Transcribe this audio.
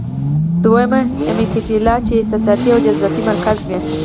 دويمه امېګډېلا چې احساساتي او جذباتي مرکز وي -